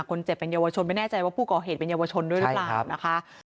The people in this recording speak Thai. คนเจ็บเป็นเยาวชนไม่แน่ใจว่าผู้ก่อเหตุเป็นเยาวชนด้วยหรือเปล่านะคะ